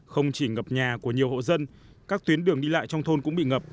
không chỉ ngập nhà của nhiều hộ dân các tuyến đường đi lại trong thôn cũng bị ngập